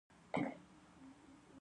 په دې هېوادونو کې کاري مزد ډېر کم دی